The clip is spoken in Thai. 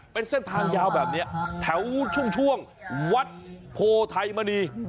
เป็นเส้นทางยาวแบบนี้แถวช่วงวัดโพไทยมณี